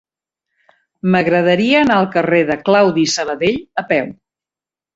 M'agradaria anar al carrer de Claudi Sabadell a peu.